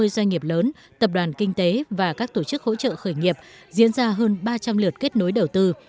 ba mươi doanh nghiệp lớn tập đoàn kinh tế và các tổ chức hỗ trợ khởi nghiệp diễn ra hơn ba trăm linh lượt kết nối đầu tư